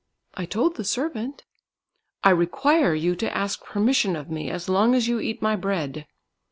"I told the servant." "I require you to ask permission of me as long as you eat my bread."